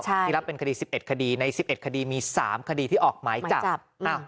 ที่รับเป็นคดี๑๑คดีใน๑๑คดีมี๓คดีที่ออกหมายจับ